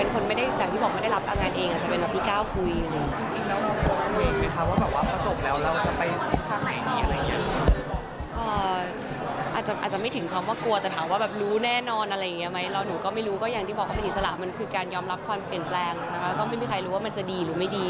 ก็ไม่มีใครรู้ว่ามันจะดีหรือไม่ดี